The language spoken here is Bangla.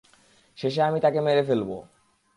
শেষে আমি তাকে মেরে ফেলব।